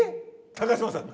高嶋さんが？